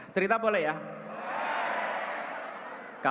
cerita boleh ya